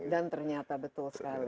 dan ternyata betul sekali